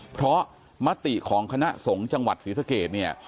เพราะมติของคณะสงฆ์จังหวัดศรีสเกตเนี่ย